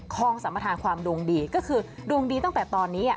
คลองสัมประธานความดวงดีก็คือดวงดีตั้งแต่ตอนนี้